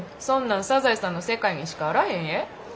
そんなん「サザエさん」の世界にしかあらへんえ。